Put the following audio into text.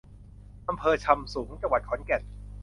อำเภอซำสูง จังหวัดขอนแก่น